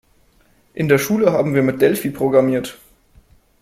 In der Schule haben wir mit Delphi programmiert.